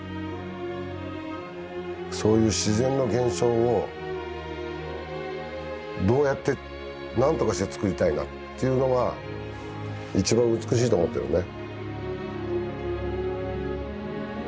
そういう自然の現象をどうやって何とかして作りたいなというのが一番美しいと思ってるね。